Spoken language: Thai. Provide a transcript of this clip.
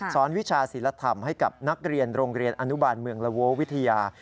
วิชาศิลธรรมให้กับนักเรียนโรงเรียนอนุบาลเมืองละโววิทยา